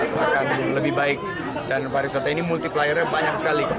bahkan lebih baik dan para wisata ini multiplier nya banyak sekali